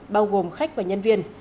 bao gồm khách và nhân viên